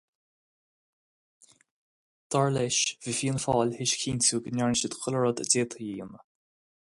Dar leis, bhí Fianna Fáil tar éis a chinntiú go ndearna siad chuile rud a d'fhéadfaí a dhéanamh.